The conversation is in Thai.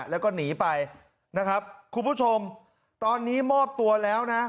แล้วก็หนีไปนะครับคุณผู้ชมตอนนี้มอบตัวแล้วนะ